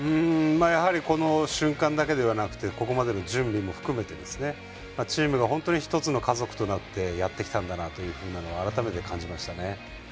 この瞬間だけではなくてここまでの準備も含めてチームが本当に１つの家族となってやってきたんだなと改めて感じましたね。